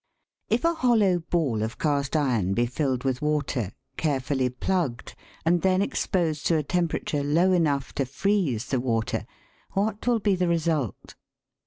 If a hollow ball of cast iron be filled with water, care fully plugged, and then exposed to a temperature low enough to freeze the water, what will be the result